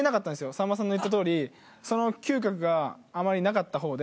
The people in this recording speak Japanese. さんまさんの言ったとおりその嗅覚があまりなかった方で。